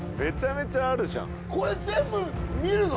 これ全部見るの？